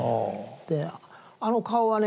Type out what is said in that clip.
であの顔はね